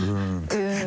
「うん」